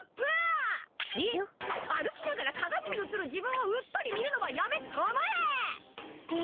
歩きながらかがみにうつる自分をうっとり見るのはやめたまえ。